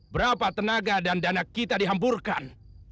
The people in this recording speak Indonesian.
berapa tenaga dan dana kita dihampurkan